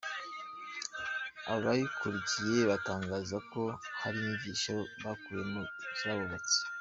Abayikurikiye batangaza ko hari inyigisho bakuyemo zabubatse.